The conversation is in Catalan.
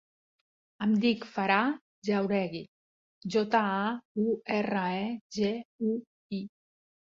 Em dic Farah Jauregui: jota, a, u, erra, e, ge, u, i.